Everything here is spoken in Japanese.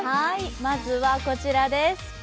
まずはこちらです。